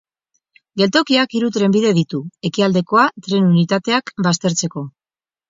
Geltokiak hiru trenbide ditu, ekialdekoa tren unitateak baztertzeko.